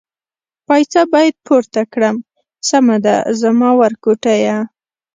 پایڅه باید پورته کړم، سمه ده زما ورکوټیه.